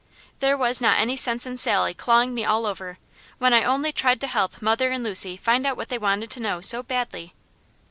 There was not any sense in Sally clawing me all over, when I only tried to help mother and Lucy find out what they wanted to know so badly.